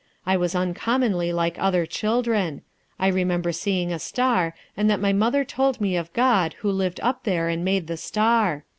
I was uncommonly like other children.... I remember seeing a star, and that my mother told me of God who lived up there and made the star.